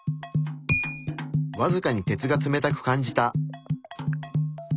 わずかに鉄が冷たく感じた。